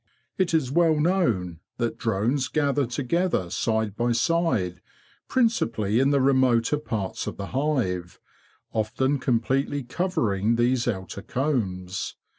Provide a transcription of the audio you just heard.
It is well known that drones gather together side by side, principally in the remoter parts of the hive, often completely covering these outer combs.